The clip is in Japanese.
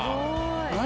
何？